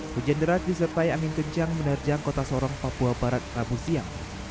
hujan deras disertai angin kencang menerjang kota sorong papua barat rabu siang